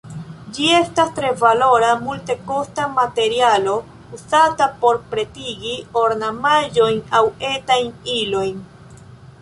Ĝi estas tre valora, multekosta materialo, uzata por pretigi ornamaĵojn aŭ etajn ilojn.